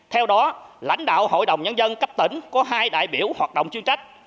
theo đó lãnh đạo hội đồng nhân dân cấp tỉnh có hai đại biểu hoạt động chuyên trách